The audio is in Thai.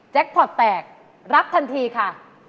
พอร์ตแตกรับทันทีค่ะ